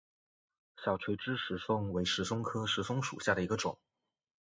小垂枝石松为石松科石松属下的一个种。